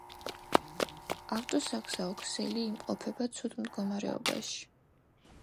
ავტოსაგზაო ქსელი იმყოფება ცუდ მდგომარეობაში.